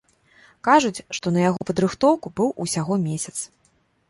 Кажуць, што на яго падрыхтоўку быў усяго месяц.